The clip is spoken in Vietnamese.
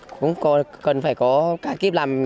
cũng cần phải có ca kíp làm